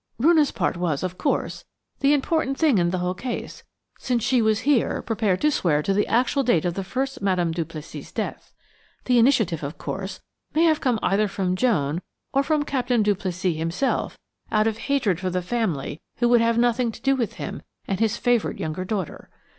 "Roonah's part was, of course, the important thing in the whole case, since she was here prepared to swear to the actual date of the first Madame Duplessis's death. The initiative, of course, may have come either from Joan or from Captain Duplessis himself, out of hatred for the family who would have nothing to do with him and his favourite younger daughter.